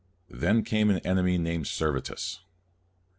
Then came an enemy named Servetus.